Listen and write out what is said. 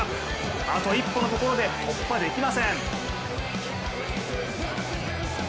あと一歩のところで突破できません。